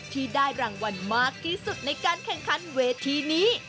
ที่ได้รางวัลมากที่สุดในการแข่งขันเวทีนี้